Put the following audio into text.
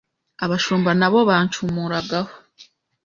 abashumba na bo bancumuragaho,